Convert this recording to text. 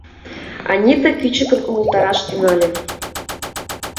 — Анита кӱчыкын умылтараш тӱҥале.